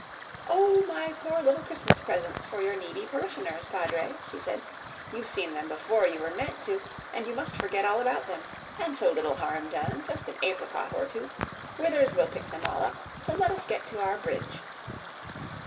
"Oh, my poor little Christmas presents for your needy parishioners, Padre," she said. "You've seen them before you were meant to, and you must forget all about them. And so little harm done, just an apricot or two. Withers will pick them all up, so let us get to our bridge."